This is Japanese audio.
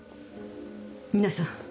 皆さん。